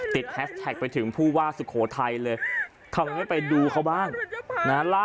แฮสแท็กไปถึงผู้ว่าสุโขทัยเลยทำงั้นไปดูเขาบ้างนะฮะ